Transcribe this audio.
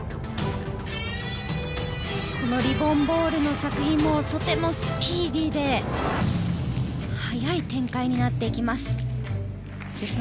このリボン・ボールの作品もとてもスピーディーで早い展開になってきます。